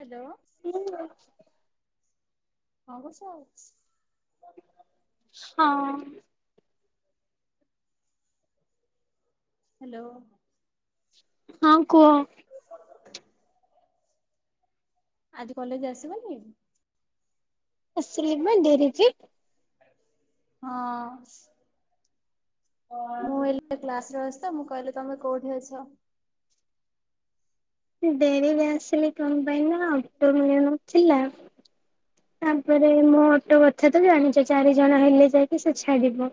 Hello. ହଁ। କଣ କରୁଚ? ହଁ। ହ୍ୟାଲୋ। ହଁ କୁହ? [inaudible] ଆଜି କଲେଜ ଆସିବନି? ଆସିଲି ବା ଡେରିରେ। ହଁ ମୁଁ ହେଲେ କ୍ଲାସ ରେ ଅଛି। ତ ମୁଁ କହିଲି ତମେ କୋଉଠି ଅଛ? ଡେରିରେ ଆସିଲି କଣ ପାଁଇ ନା ଅଟ ମିଳୁନଥିଲା। ତାପରେ ମୋ ଅଟୋ କଥା ତ ଜାଣିଛ ଚାରିଜଣ ହେଲେ ଯାଇକି ସେ ଛାଡ଼ିବ।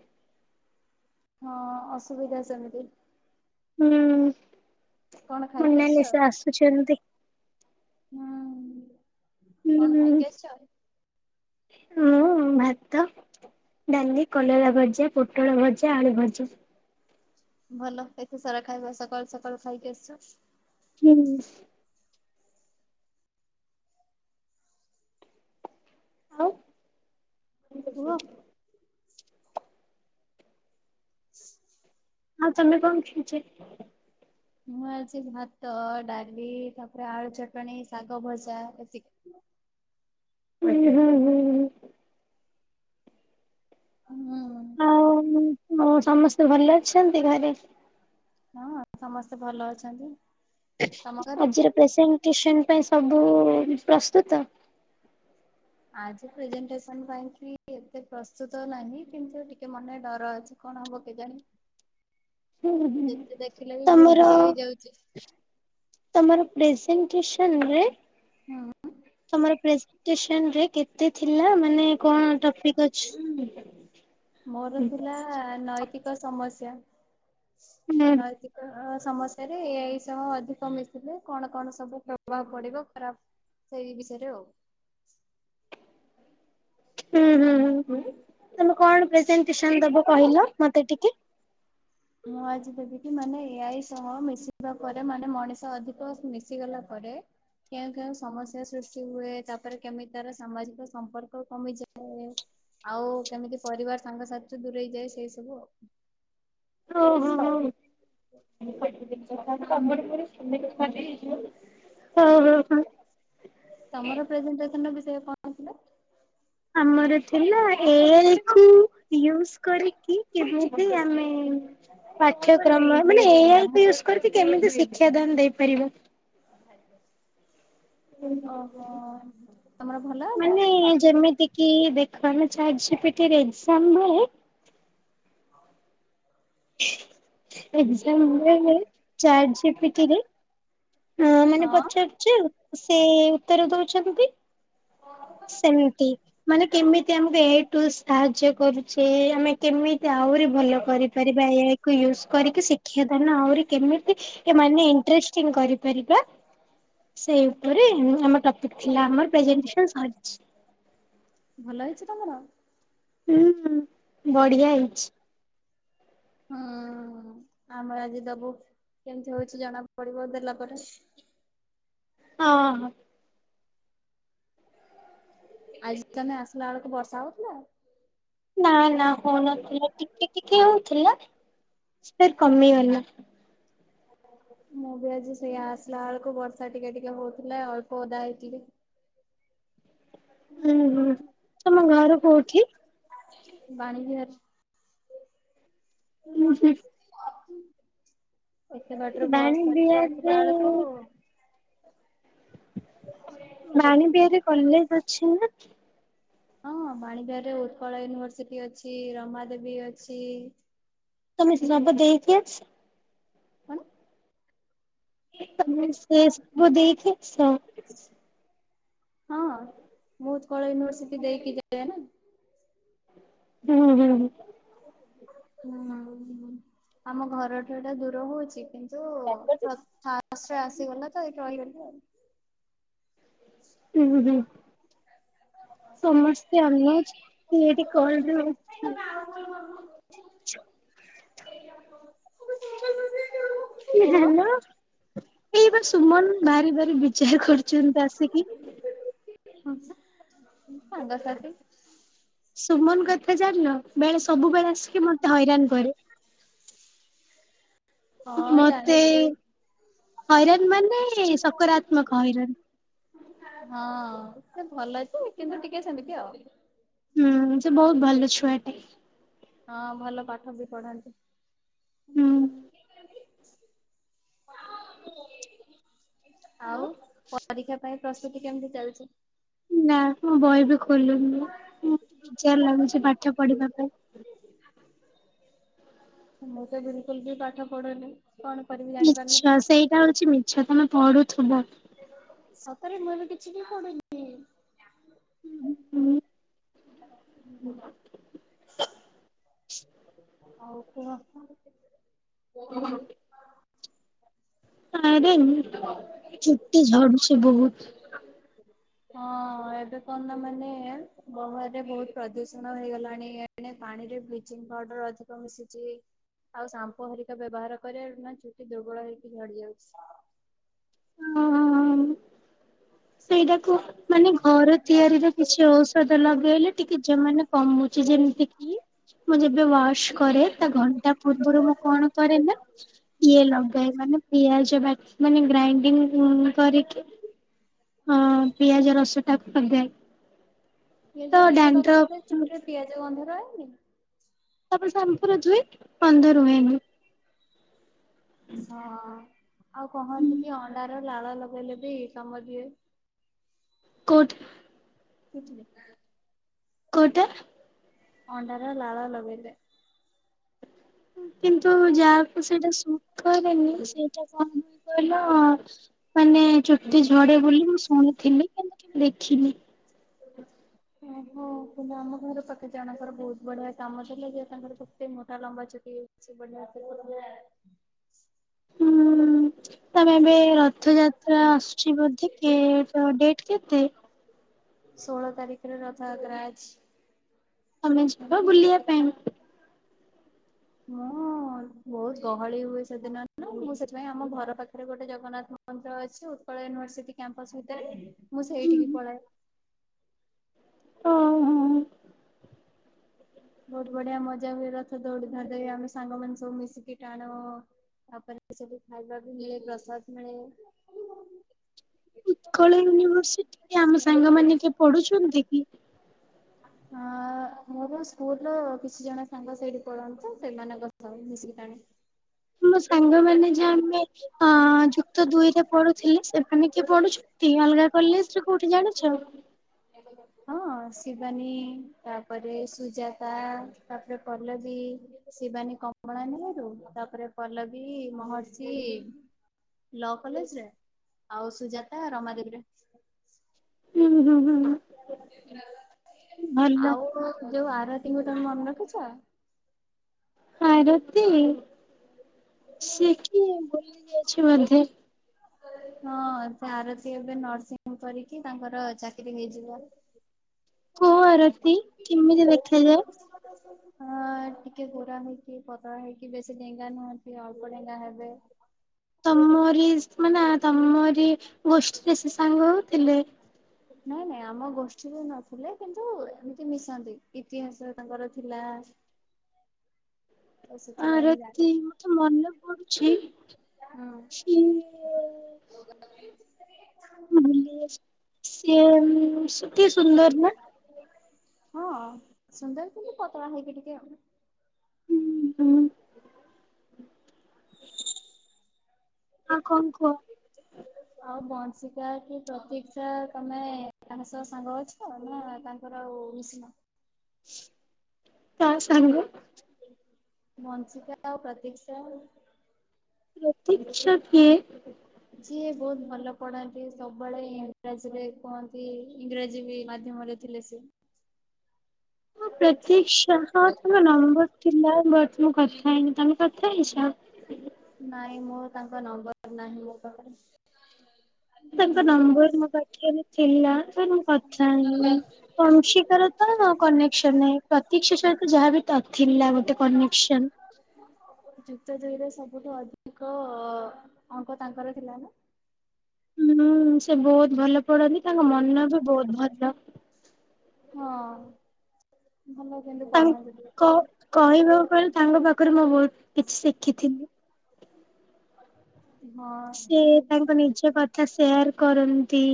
ହଁ ଅସୁବିଧା ସେମିତି। ହୁଁ କଣ ଖାଇକି ଆସିଛ ମୋନାଲିଶା ଆସୁଛନ୍ତି। ହୁଁ, ହୁଁ। କଣ ଖାଇକି ଆସିଛ? ମୁଁ ଭାତ। ଡାଲି, କଲରା ଭଜା, ପୋଟଳ ଭଜା, ଆଳୁ ଭଜା। ଭଲ ଏତେ ସାରା ଖାଇବା ସକାଳୁ ସକାଳୁ ଖାଇକି ଆସିଛ। ହୁଁ। ଆଉ। ହୁଅ। [inaudible] ଆଉ ତମେ କଣ ଖାଇଛ? ମୁଁ ଆଜି ଭାତ, ଡାଲି, ତାପରେ ଆଳୁ ଚଟଣି, ଶାଗ ଭଜା ଏତିକି। ହୁଁ ହୁଁ ହୁଁ। ହୁଁ। ଆଉ ହଉ ସମସ୍ତେ ଭଲ ଅଛନ୍ତି ଘରେ? ହଁ ସମସ୍ତେ ଭଲ ଅଛନ୍ତି। ତମ ଘରେ ଆଜିର ପ୍ରେଜେଣ୍ଟେସନ ପାଇଁ ସବୁ ପ୍ରସ୍ତୁତ। ଆଜି ପ୍ରେଜେଣ୍ଟେଟେସନ ପାଇଁ କି ଏତେ ପ୍ରସ୍ତୁତ ନାହିଁ କିନ୍ତୁ ଟିକେ ମନେ ଡର ଅଛି। କଣ ହବ କେଜାଣି? ହୁଁ ଯେତେ [unintelligible] ଦେଖିଲେ ବି ଭୁଲ ତମର। ଟିକେ ହେଇଯାଉଛି। ତମର ପ୍ରେଜେଣ୍ଟଟେସନ ରେ ହୁଁ। ତମର ପ୍ରେଜେଣ୍ଟଟେସନ ରେ କେ କେତେ ଥିଲା ମାନେ କଣ ଟପିକ ଅଛି? ଏତିକ ସମସ୍ୟା ନଈ ହୁଁ କି ଅ ଅ ସମସ୍ୟାରେ ଏଇସବୁ ଅଧିକ ମିଶିଲେ କଣ କଣ ସବୁ ପ୍ରଭାବ ପଡିବ ଖରାପ। ସେଇ ବିଷୟରେ ଆଉ। ହୁଁ ହୁଁ ହୁଁ ହୁଁ ତମେ କଣ ପ୍ରେଜେଣ୍ଟେଟେସନ ଦବ କହିଲ ମତେ ଟିକେ? ମୁଁ ଆଜି ଦେବିକି ମାନେ ଏଇ ସହ ମିଶିବା ପରେ ମାନେ ମଣିଷ ଅଧିକ ମିଶିଗଲା ପରେ କେଉଁ କେଉଁ ସମସ୍ୟା ସୃଷ୍ଟି ହୁଏ ତାପରେ କେମିତି ତାର ସାମାଜିକ ସମ୍ପର୍କ କମିଯାଏ। ଆଉ କେମିତି ପରିବାର ସାଙ୍ଗଶାଥି ଠୁ ଦୂରେଇଯାଏ ସେଇ ସବୁ ଆଉ। ଓ ହୋ ହଉ। [unintelligible] ହଁ ହଁ ହଁ। ତମର ପ୍ରେଜେଣ୍ଟେଟେସନ ର ବିଷୟ କ ଆମର ଥିଲା ଏଇ କୁ ୟୁଜ କରିକି କେମିତି ଆ [inaudible] ପାଠ୍ୟକ୍ରମ ମାନେ ଏଇ କୁ ୟୁଜ କରିକି କେମତି ଶିକ୍ଷା ଦାନ ଦେଇପାରିବ? ଓହୋ ତମର ଭଲ? ହେଲା ମାନେ ଯେମିତି କି ଦେଖାନ ଚାଟ୍ ଯୁପିଟି ରେ ଏଜାମ ହୁଏ। ଏକ୍ଜାମ ହୁଏ ଚାଟ୍ ଜୁପିଟି ରେ। ହଁ ମାନେ ପଚାରୁଛେ ଆଉ ସେ ଉତ୍ତର ଦଉଛନ୍ତି କି। [unintelligible] ସେମତି। ମାନେ କେମିତି ଆମକୁ ଏଇଠୁ ସାହାଯ୍ୟ କରୁଛେ, ଆମେ କେମିତି ଆହୁରି ଭଲ କରିପାରିବା, ଏହାକୁ ୟୁଜ୍ କରିକି ଶିକ୍ଷାଦାନ ଆହୁରି କେମିତି ଟିକେ ମାନେ ଇଣ୍ଟ୍ରେଷ୍ଟିଙ୍ଗ କରିପାରିବା ସେଇ ଉପରେ, ଆମ ଆମର ଟପିକ ଥିଲା ଆମର ପ୍ରେଜେନସନ୍ ସରିଛି। ଭଲ ହେଇଛି ତମର? ହୁଁ ହୁଁ, ବଢିଆ ହେଇଛି। ହଁ, ଆମର ଆଜି ଦବୁ, କେମତି ହଉଛି ଜଣାକୁ ପଡିବ ଦେଲା ପରେ। ହଁ ହଁ। ଆଜି ତମେ ଆସିଲା ବେଳକୁ ବର୍ଷା ହଉଥିଲା? ନା ନା ହଉନଥିଲା। ଟିକେ ଟିକେ ହଉଥିଲା, ସିଏ କମିଗଲା। ମୁଁ ବି ଆଜି ସେଇଆ, ଆସିଲା ବେଳକୁ ବର୍ଷା ଟିକେ ଟିକେ ହଉଥିଲା ଅଳ୍ପ ଓଦା ହେଇଥିଲି। ହୁଁ ହୁଁ। ତମ ଘର କୋଉଠି? ବାଣୀବିହାର। [unintelligible] ଏତେ ବାଟରୁ ବସ୍ ବାଣୀ ଧରିକି ବିହାରରେ ଆସିଲା ବେଳକୁ ବାଣୀବିହାରରେ କଲେଜ ଅଛି ନା? ହଁ, ବାଣୀବିହାରରେ ଉତ୍କଳ ୟୁନିଭରସିଟି ଅଛି, ରମା ଦେବୀ ଅଛି ତମେ ତ ସବୁ ଦେଇକି ଆସି କଣ? ତମେ ସେ ସବୁ ଦେଇକି ସୋ ହଁ, ମୁଁ ଉତ୍କଳ ୟୁନିଭର୍ସିଟି ଦେଇକି ଯାଏ ନା। ହୁଁ-ହୁଁଁ-ହୁଁ। ହୁଁ ଉଁ, ଆମ ଘରଠୁ ଏଟା ଦୂର ହଉଛି କିନ୍ତୁ ପ୍ର ଥା ବସ୍ ରେ ଆସିଗଲା ତ ଏଇଠି ରହିଗଲି ଆଉ। ଉୁଁ ହୁଁ। ସମସ୍ତେ ଅନଉଚନ୍ତି ଏଇଠି କଲ୍ ରେ ଆଉ। ହେଇ ତମେ ଆଉ କଲ୍ କରୁନ। ଏ-ଏ କୁହ ହ୍ୟାଲୋ, ଏଇ ବା ସୁମନ ଭାରି ଭାରି ବିଚାର କରୁଛନ୍ତି ଆସିକି। ହଁ ସାର୍, ସାଙ୍ଗସାଥି ସୁମନ କଥା ଜାଣିଲ, ବେଳେ ସବୁବେଳେ ଆସିକି ମତେ ହଇରାଣ କରେ। ହଁ ମତେ, ଚାଲିଛି। ହଇରାଣ ମାନେ ସକାରାତ୍ମକ ହଇରାଣ। ହଁ, ସେ ଭଲ ଯେ କିନ୍ତୁ ଟିକେ ସେମିତି ଆଉ। ହୁଁ, ସେ ବହୁତ ଭଲ ଛୁଆଟେ। ହଁ, ଭଲ ପାଠ ବି ପଢ଼ନ୍ତି। ହୁଁ। ଆଉ ପରୀକ୍ଷା ପାଇ ପ୍ରସ୍ତୁତି କେମତି ଚାଲିଚି? ନାଁ, ମୁଁ ବହି ବି ଖୋଲୁନି ବା। ମୁଁ ବିଜାର ଲାଗୁଛି ପାଠ ପଢିବା ପାଇଁ। ମୁଁ ତ ବିଲକୁଲ ବି ପାଠ ପଢୁନି। କଣ କରିବି ଜାଣିପାରୁନି ମିଛ, ସେଇଟା ହଉଛି ମିଛ ତମେ ପଢ଼ୁଥିବ। ସତରେ ମୁଁ ଏବେ କିଛି ବି ପଡୁନି। ଉଁ ଉଁ। ହ ଆଉ କୁହ। ଆରେ ଚୁଟି ଝଡ଼ୁଛି ବହୁତ। ହଁ ଏବେ କଣ ନା ମାନେ, ବଙ୍ଗଳାରେ ବହୁତ ପ୍ରଦୂଷଣ ହେଇଗଲାଣି ମାନେ ପାଣିରେ ବ୍ଲିଚିଂ ପାଉଡର ଅଧିକ ମିଶିଚି ଆଉ ଶାମ୍ପୁ ହେରିକା ବ୍ୟବହାର କରିଆରୁ ନା ଚୁଟି ଦୁର୍ବଳ ହେଇକି ଝଡି ଯାଉଛି। ସେଇଟାକୁ ମାନେ ଘର ତିଆରିରେ କିଛି ଔଷଧ ଲଗେଇଲେ ଟିକେ ଜ ମ କମଉଛି ଯେମିତି କି ମୁଁ ଯେବେ ୱାଶ କରେ ତା ଘଣ୍ଟା ପୂର୍ବରୁ ମୁଁ କଣ କରେ ନା ଇଏ ଲଗାଏ ମାନେ ପିଆଜ ବା ମାନେ ଗ୍ରାଇଣ୍ଡିଙ୍ଗ କରିକି ହଁ ପିଆଜ ରସ ଟା ପିଆଜ ରସା ଲଗେଇଲେ ଚୁଟିରେ ପିଆଜ ଗନ୍ଧ ଦବନି। ସବ ସମ୍ପୁର ଦୁଏ ବନ୍ନ୍ଦ ରୁହେନି। ହଁ ଆଉ କହନ୍ତି କି ଅଣ୍ଡାର ଲାଳ ଲଗେଇଲେ ବିଇ କାମ ଦିଏ। କୋଉଠି? [inaudible] କୋଉଟା? ଅଣ୍ଡାର ଲାଳ ଲଗେଇଲେ। କିନ୍ତୁ ଯାହାକୁ ସେଇଟା ସୁଖରେନି ସେଇଟା କଣ କହିଲ ମାନେ ଚୁଟି ଝଡେ ବୋଲି ମୁଁ ଶୁଣିଥିଲି କିନ୍ତୁ ଦେଖିନି। ଓ ହୋ କିନ୍ତୁ ଆମ ଘର ପାଖେ ଜାଣଙ୍କର ବହୁତ ବଢିଆ କାମ ଯ ତାଙ୍କର କେତେ ମୋଟା ଲମ୍ବା ଚୁଟି ଅ ବଢିଆ ହୁଁ ତମେ ଏବେ ରଥଯାତ୍ରା ଆସୁଛି ବୋଧିକ ଡେଟ କେତେ? ଷୋହଳ ତାରିଖରେ ରଥଯାତ୍ରା ଅଛି। ତମେ ଯିବା ବୁଲିବା ପାଇଁ। ମୁଁ ବହୁତ ଗହଳି ହୁଏ ସେଦିନ ନା। ମୁଁ ସେଥିପାଇଁ ଆମ ଘର ପାଖରେ ଗୋଟେ ଜଗନ୍ନାଥ ମନ୍ଦିର ଅଛି ଉତ୍କଳ ୟୁନିଭରସିଟି କ୍ୟାମ୍ପସ ଭିତରେ ମୁଁ ସେଇଠିକି ପଳାଏ। ହଁ ହଁ। ବହୁତ ବଢିଆ ମଜା ବି ରଥ ଦୌଡି ଧରି ଆମେ ସାଙ୍ଗମାନେ ସବୁ ମିଶିକି ଟାଣୁ। ଆପଣବି ଖାଇବା ବି ମିଳେ ପ୍ରସାଦ ମିଳେ। ଉତ୍କଳ ୟୁନିଭର୍ସିଟିରେ ଆମ ସାଙ୍ଗ ମାନ ପଢୁଛନ୍ତି କି? ଅ [inaudible] ମୋର ସ୍କୁଲର କିଛି ଜଣ ସାଙ୍ଗ ସେଇଠି ପଢନ୍ତି ତ ସେମାନଙ୍କ ସହ ମିଶିକି ମମ ସାଙ୍ଗମାନେ ଯା ଆମେ ଅ ଯୁକ୍ତ ଦୁଇରେ ପଢୁଥିଲେ। ସେମାନେ କିଏ ପଢୁଛନ୍ତି ଅଲଗା କଲେଜରେ କୋଉଠି ଜାଣିଛ? [inaudible] ହଁ ଶିବାନୀ ତାପରେ ସୁଜାତା ତାପରେ ପଲ୍ଲବୀ। ଶିବାନୀ କମଳା ନିରୁ ତାପରେ ପଲ୍ଲବୀ ମହର୍ଷି। ଲ କଲେଜରେ ଆଉ ସୁଜାତା ରମାଦେବୀରେ। ହୁଁ ହୁଁ ହୁଁ ଭଲ ଆଉ ଯୋଉ ଆର ରାତିଙ୍କୁ ତମେ ମନେ ରଖିଛ? ଆରତୀ ସିଏ କି ବୁଲି ଯାଇଛି ବୋଧେ? ହଁ ସେ ଆରତୀ ଏବେ ନର୍ସିଂ କରିକି ତାଙ୍କର ଚାକିରି ହେଇଯିବ। କଣ ଆରତି କେମିତି ଦେଖାଯାଏ? ହଁ ଟିକେ ଗୋରା ହେଇକି ପତଳା ହେଇକି ବେଶୀ ଡେଙ୍ଗା ନାହାନ୍ତି। କି ଅଳ୍ପ ଡେଙ୍ଗା ହେବେ। ତମରି ମାନେ ତମରି ଗୋଷ୍ଠୀରେ ସେ ସାଙ୍ଗ ହଉଥିଲେ। ନାଇଁ ନାଇଁ ଆମ ଗୋଷ୍ଠୀରୁ ନଥିଲେ କିନ୍ତୁ ଏମିତି ମିଶନ୍ତି ଇତିହାସ ତାଙ୍କର ଥିଲା। ତ ସେଥିପାଇଁ ମୁଁ ଜାଣି ଆରତି ମତେ ମନେ ପଡୁଛି। ହୁଁ [unintelligible] ସେ ଟିକେ ସୁନ୍ଦର ନା? ହଁ ସୁନ୍ଦର ତ ପତଳା ହେଇକି ଟିକେ। ହୁଁ ହୁଁ। ଆଉ କଣ କୁହ? ଆଉ ବଂଶିକା କି ପ୍ରତିୀକ୍ଷା ତମେ ତାଙ୍କ ସହ ସାଙ୍ଗ ଅଛ ର ଆଉ ମିଶିନ। ତା ସାଙ୍ଗ। [unintelligible] ପ୍ରତିକ୍ଷା କିଏ? ଯିଏ ବହୁତ ଭଲ ପଢ଼ାନ୍ତି ସବୁବେଳେ ଇଂରାଜୀରେ କୁହନ୍ତି ଇଂରାଜୀ ମାଧ୍ୟମରେ ଥିଲେ ସେ ହଁ ପ୍ରତୀକ୍ଷା ହଁ ତାଙ୍କ ନମ୍ବର ଥିଲା ବଟ୍ ମୁଁ କଥା ହେଇନି ତମେ କଥା ହେଇଛ? ନାଇଁ ମୋ ତାଙ୍କ ନମ୍ବର ନାହିଁ ମୋ ପାଖରେ। ତାଙ୍କ ନମ୍ବର ମୋ ପାଖରେ ଥିଲା ବଟ ମୁଁ କଥା ହେଇନି। କଂସିକାର ତ କନେକ୍ସନ ନାହିଁ ପ୍ରତୀକ୍ଷା ସହ ଯାହାବି ତ ଥିଲାଥିଲା ଗୋଟେ କନେକ୍ସନ। ଯୁକ୍ତ ଦୁଇରେ ସବୁଠୁ ଅଧିକ ଅଙ୍କ ତାଙ୍କର ଥିଲା ନା? ହୁଁ ସେ ବହୁତ ଭଲ ପଢନ୍ତି ତାଙ୍କ ମନ ବି ବହୁତ ଭଲ। ହଁ। ଭଲ କିନ୍ତୁ। ପଢାନ୍ତି ଟିକେ କହିବାକୁ ବ ତାଙ୍କ ପାଖରୁ ମୁଁ ବହୁତ କିଛି ଶିଖିଥିଲି। [inaudible] ହଁ ସେ ବହୁତ ତାଙ୍କ ନିଜ କଥା ସେୟାର କରନ୍ତି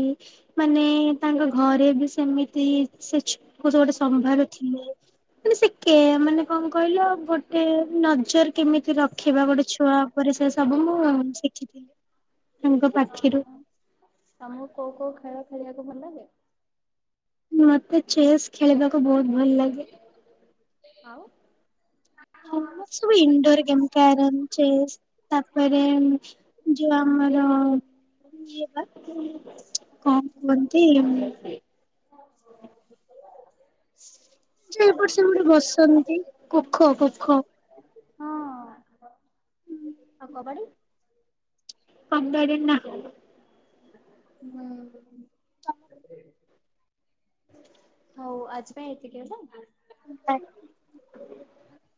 ମାନେ ତାଙ୍କ ଘରେ ବି ସେମିତି ସେ ଗୋଟେ ସମ୍ଭାର ଥିଲେ ମାନେ ସେ କେ ମାନେ କଣ କହିଲ ଗୋଟେ ନଜର କେମିତି ରଖିବା ଗୋଟେ ଛୁଆ ରେ ସେ ସବୁ ମୁଁ ଶିଖିଥିଲି। ତାଙ୍କ ପାଖିରୁ ଓ ତମକୁ କୋଉ କୋଉ ଖେଳ ଖେଳିବାକୁ ଭଲ ଲାଗେ? ମତେ ଚେସ୍ ଖେଳିବାକୁ ବହୁତ ଭଲ ଲାଗେ। ଆଉ। ଆଉ ସବୁ ଇନଡୋର ଗେମ୍ କ୍ୟାରମ ଚେସ୍ ତାପରେ ଯୋଉ ଆମର କଣ କୁହନ୍ତି? [inaudible] ଯେ ଏପଟେ ସେପଟେ ବସନ୍ତି କୋଖ କୋଖ ହଁ। ଆଉ କବାଡି? [unintelligible] ହୁଁ। ହଉ ଆଜି ପାଇଁ ଏତିକି ହେଲା। [unintelligible]